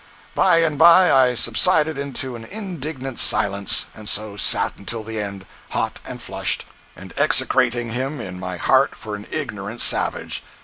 By and by I subsided into an indignant silence, and so sat until the end, hot and flushed, and execrating him in my heart for an ignorant savage.